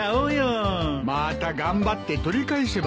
また頑張って取り返せばいいじゃないか。